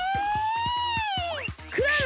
クラム！